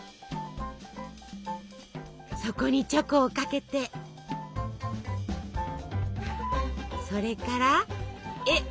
そこにチョコをかけてそれからえ！